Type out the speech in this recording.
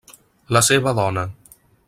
La seva dona.